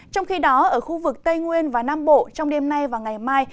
trong khi đó ở khu vực tây nguyên và nam bộ trong đêm nay và ngày mai